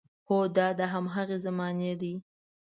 هو، دا د هماغې زمانې دی.